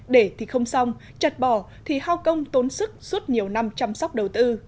để thì không xong chặt bỏ thì hao công tốn sức suốt nhiều năm chăm sóc đầu tư